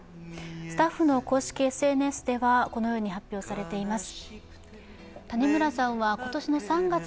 スタッフの公式ＳＮＳではこのように発表されています。